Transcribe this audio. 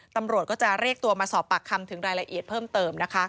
ตำรวจก็จะเรียกตัวมาสอบปากคำถึงรายละเอียดเพิ่มเติมนะคะ